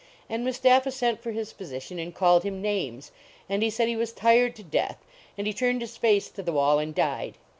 And Mustapha sent for his physician and called him names. And he said he was tired to death ; and he turned his face to the wall and died.